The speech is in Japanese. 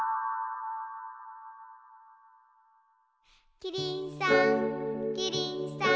キリンさんキリンさん